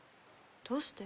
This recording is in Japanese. どうして？